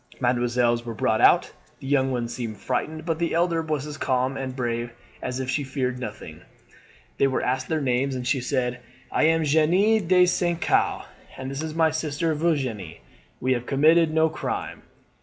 Mesdemoiselles were brought out. The young one seemed frightened, but the elder was as calm and brave as if she feared nothing. They were asked their names, and she said: "'I am Jeanne de St. Caux, and this is my sister Virginie. We have committed no crime.'